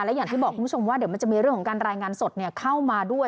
และอย่างที่บอกคุณผู้ชมว่าเดี๋ยวมันจะมีเรื่องของการรายงานสดเข้ามาด้วย